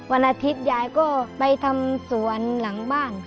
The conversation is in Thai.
วันอาทิตยายก็ไปทำสวนหลังบ้าน